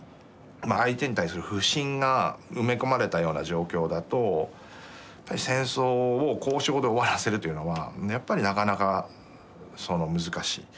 相手に対する不信が埋め込まれたような状況だと戦争を交渉で終わらせるというのはやっぱりなかなか難しい。